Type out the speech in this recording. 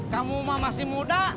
kamu masih muda